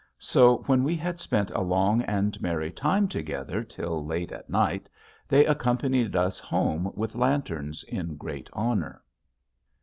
So when we had spent a long and merry time together till late at night, they accompanied us home with lanterns in great honor."